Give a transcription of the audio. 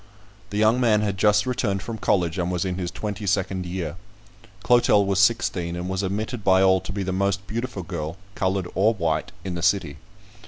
The young man had just returned from college, and was in his twenty second year. Clotel was sixteen, and was admitted by all to be the most beautiful girl, coloured or white, in the city.